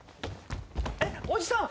えっおじさん！